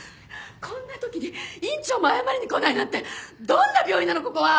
こんな時に院長も謝りに来ないなんてどんな病院なのここは！